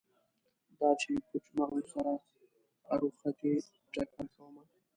دا چې پوچ مغزو سره هروختې ټکر کومه